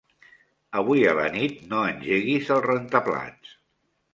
Avui a la nit no engeguis el rentaplats.